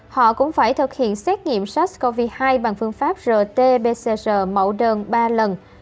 họ cũng phải thực hiện xét nghiệm sars cov hai bằng phương pháp rt pcr mẫu đơn ba lần